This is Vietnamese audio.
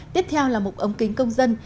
tiếp theo là một ống kính công dân